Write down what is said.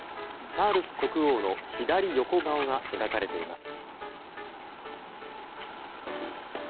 チャールズ国王の左横顔が描かれています。